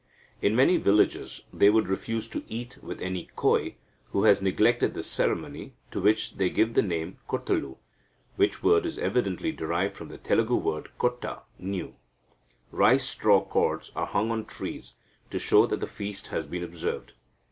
In many villages they would refuse to eat with any Koi who has neglected this ceremony, to which they give the name Kottalu, which word is evidently derived from the Telugu word kotta (new). Rice straw cords are hung on trees, to show that the feast has been observed.